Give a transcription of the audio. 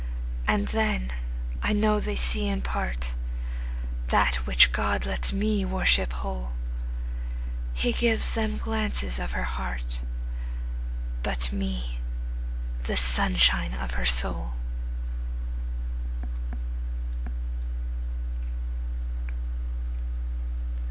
And then I know they see in partThat which God lets me worship whole:He gives them glances of her heart, But me, the sunshine of her soul.